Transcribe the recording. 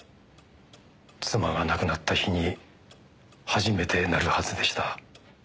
妻が亡くなった日に初めて鳴るはずでした。